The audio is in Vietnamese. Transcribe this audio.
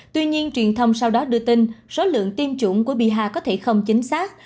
tuy nhiên truyền thông sau đó đưa tin số lượng tiêm chủng của biaha có thể không chính xác